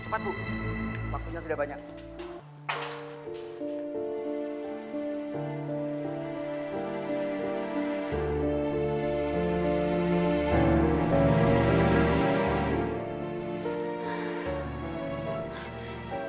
keadaan kamu menyebabkan keseluruhan penyakit